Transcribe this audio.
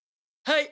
はい。